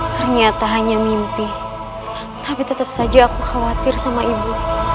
ternyata hanya mimpi tapi tetap saja aku khawatir sama ibu